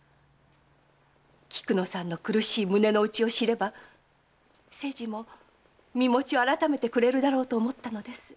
菊乃さんの苦しい胸の内を知れば清次も身持ちを改めてくれるだろうと思ったのです。